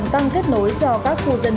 các hợp tiếp theo của chương trình